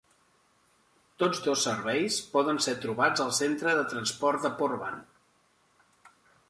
Tots dos serveis poden ser trobats al Centre de Transport de Portland.